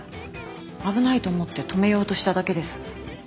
危ないと思って止めようとしただけです。